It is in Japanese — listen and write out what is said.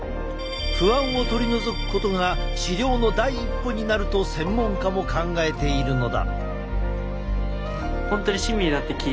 不安を取り除くことが治療の第一歩になると専門家も考えているのだ。